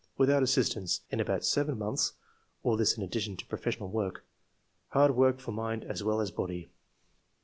without assistance, in about seven months [all this in addition to professional work] ; hard work for mind as well as body."